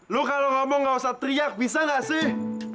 lu kalau ngomong gak usah teriak bisa nggak sih